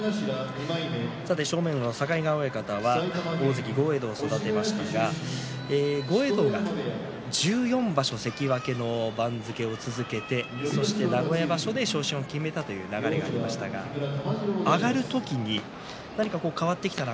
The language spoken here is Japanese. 正面の境川親方は大関豪栄道を育てましたが豪栄道は１４場所関脇の番付を続けてそして名古屋場所で昇進を決めたという流れがありましたが上がる時に、何か変わってきたな